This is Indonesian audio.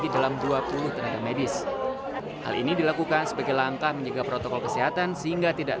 di dalam dua puluh tenaga medis hal ini dilakukan sebagai langkah menjaga protokol kesehatan sehingga tidak